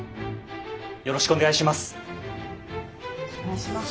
よろしくお願いします。